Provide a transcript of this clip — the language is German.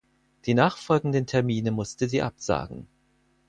Die nachfolgenden Termine musste sie absagen.